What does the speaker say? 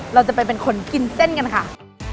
เราจะไปเป็นคนกินเส้นกันค่ะ